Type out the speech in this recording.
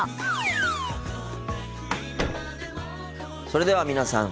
それでは皆さん